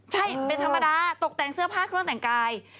ใช่เป็นธรรมดาตกแต่งเสื้อผ้าเครื่องแต่งกาย